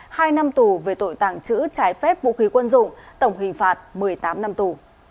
hai năm tù về tội tàng trữ trái phép vũ khí quân dụng tổng hình phạt một mươi tám năm tù